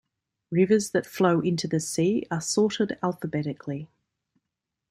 Rivers that flow into the sea are sorted alphabetically.